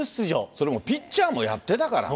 それもピッチャーもやってだからね。